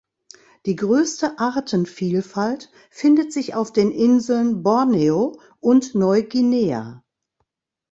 Die größte Artenvielfalt findet sich auf den Inseln Borneo und Neuguinea.